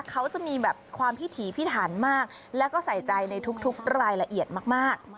เขาจะมีแบบความพิถีพิถันมากแล้วก็ใส่ใจในทุกรายละเอียดมาก